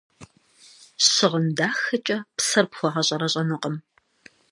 Щыгъын дахэкӏэ псэр пхуэгъэщӏэрэщӏэнукъым.